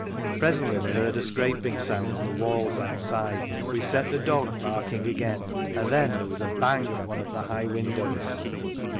Presently they heard a scraping sound on the walls outside, which set the dog barking again, and then there was a bang at one of the high windows.